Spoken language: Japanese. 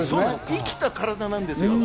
生きた体なんです。